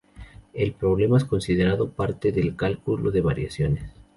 El problema es considerado parte del cálculo de variaciones.